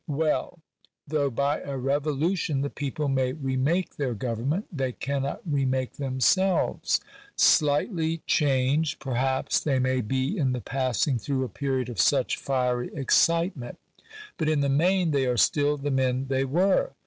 Well : though by a revolution the people may re make their govern ment, they cannot re make themselves. Slightly changed, perhaps, they may be in the passing through a period of such fiery excitement ; but, in the main, they are still the men they were.